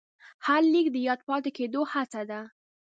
هر لیک د یاد پاتې کېدو هڅه ده.